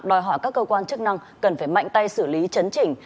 đòi hỏi các cơ quan chức năng cần phải mạnh tay xử lý chấn chỉnh